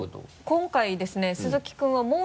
今回ですね鈴木君はもう１個。